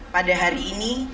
pada hari ini